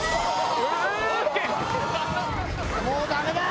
もうダメだ！